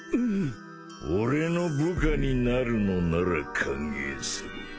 俺の部下になるのなら歓迎する